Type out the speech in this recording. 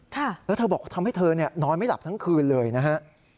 แล้วเธอบอกว่าทำให้เธอเนี่ยนอนไม่หลับทั้งคืนเลยนะฮะ